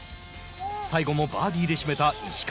最後もバーディーで締めた石川